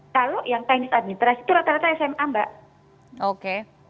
kalau yang teknis administrasi itu rata rata sma mbak